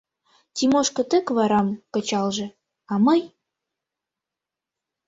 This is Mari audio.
Тимошка тек варам кычалже, а мый...